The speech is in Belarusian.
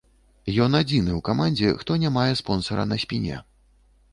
Ён адзіны ў камандзе, хто не мае спонсара на спіне.